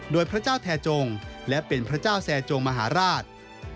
โดยพระเจ้าแทจงและเป็นพระเจ้าแซจงมหาราช